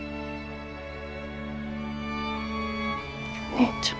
お姉ちゃん。